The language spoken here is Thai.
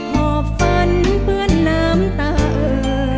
หอบฟันเปื้อนน้ำตาเอ่อ